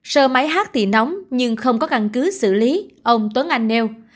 sơ máy hát thì nóng nhưng không có căn cứ xử lý ông tuấn anh nêu